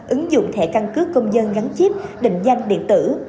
ứng dụng thẻ căn cước công dân gắn chip định danh điện tử